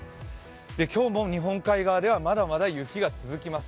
今日も日本海側ではまだまだ雪が続きます。